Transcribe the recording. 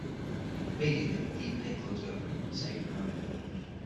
Immediately, the deep pit closed over him, saving Rome.